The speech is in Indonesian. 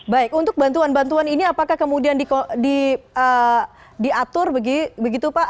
baik untuk bantuan bantuan ini apakah kemudian diatur begitu pak